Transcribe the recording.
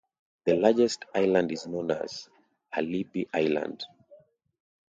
The largest island is known as Halilbey Island.